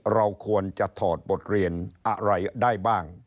เราควรจะถอดบทเรียนอะไรได้บ้าง